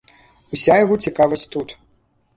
Уся яго цікавасць тут.